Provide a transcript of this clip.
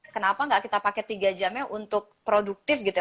kenapa nggak kita pakai tiga jamnya untuk produktif gitu ya